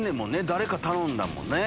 誰か頼んだもんね